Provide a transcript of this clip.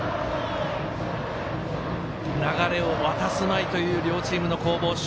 流れを渡すまいという両チームの攻防。